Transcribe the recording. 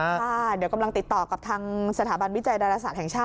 ค่ะเดี๋ยวกำลังติดต่อกับทางสถาบันวิจัยดาราศาสตร์แห่งชาติ